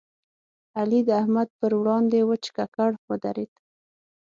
علي د احمد پر وړاندې وچ ککړ ودرېد.